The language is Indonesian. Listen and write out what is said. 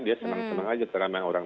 dia senang senang aja terutama orang